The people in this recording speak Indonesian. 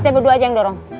tapi berdua aja yang dorong